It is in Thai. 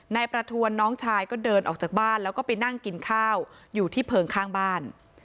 นายประทวนน้องชายก็เดินออกจากบ้านแล้วก็ไปนั่งกินข้าวอยู่ที่เพลิงข้างบ้าน